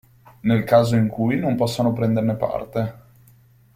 Nel caso in cui non possano prenderne parte.